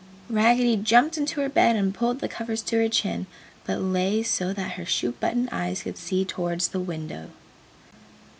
Raggedy jumped into her bed and pulled the covers to her chin, but lay so that her shoe button eyes could see towards the window.